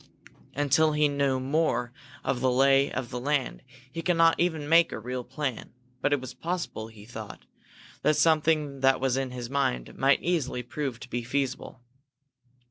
Until he knew more of the lay of the land, he could not even make a real plan, but it was possible, he thought, that something that was in his mind might easily prove to be feasible.